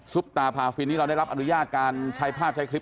ตาพาฟินนี่เราได้รับอนุญาตการใช้ภาพใช้คลิป